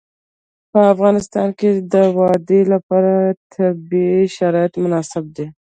په افغانستان کې د وادي لپاره طبیعي شرایط مناسب دي.